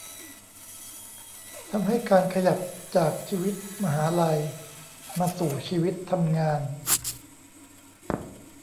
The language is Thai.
ทำให้การขยับจากชีวิตมหาลัยมาสู่ชีวิตทำงาน